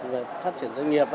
và phát triển doanh nghiệp